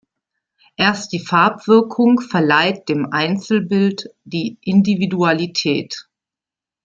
Erst die Farbwirkung verleiht dem Einzelbild die Individualität.